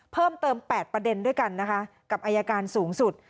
เพิ่มเติม๘ประเด็นด้วยกันนะคะกับอายการสูงสุด